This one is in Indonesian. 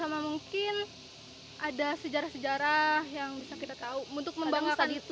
sama mungkin ada sejarah sejarah yang bisa kita tahu untuk membanggakan daerah kita gitu